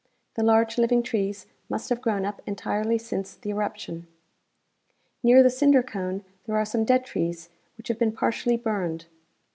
The large living trees must have groAvn up entirely since the eruption. Near the cinder cone there are some dead trees which have been partially burned.